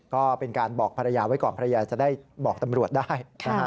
ก็เป็นการบอกภรรยาไว้ก่อนภรรยาจะได้บอกตำรวจได้นะฮะ